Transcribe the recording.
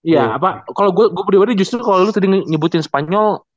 ya apa kalau gue pribadi justru kalau lu tadi nyebutin spanyol